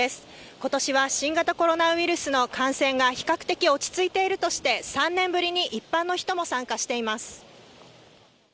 今年は新型コロナウイルスの感染が比較的、落ち着いているとして３年ぶりに一般の人も参加しています。